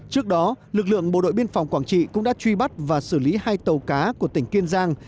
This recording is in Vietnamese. trước đó lực lượng bộ đội biên phòng quảng trị cũng đã truy bắt và xử lý hai tàu cá của tỉnh kiên giang